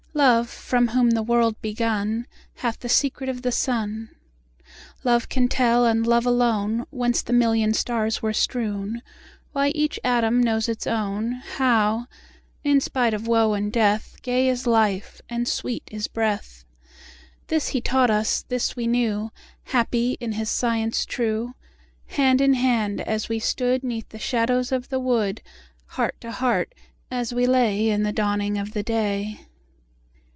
Love, from whom the world begun, Hath the secret of the sun. 10 Love can tell, and love alone, Whence the million stars were strewn, Why each atom knows its own, How, in spite of woe and death, Gay is life, and sweet is breath: 15 This he taught us, this we knew, Happy in his science true, Hand in hand as we stood 'Neath the shadows of the wood, Heart to heart as we lay 20 In the dawning of the day.